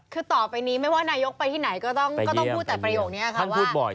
คือต่อไปนี้ไม่ว่านายกไปที่ไหนก็ต้องพูดแต่ประโยคนี้ค่ะว่า